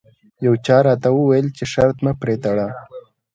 یو چا راته وویل چې شرط مه پرې تړه.